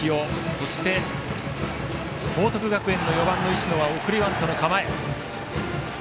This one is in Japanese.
そして、報徳学園の４番の石野は送りバントの構え。